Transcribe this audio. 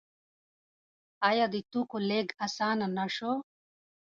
آیا د توکو لیږد اسانه نشو؟